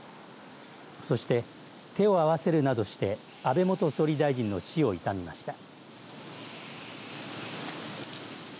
そして、手を合わせるなどして安倍元総理大臣の死を悼みました。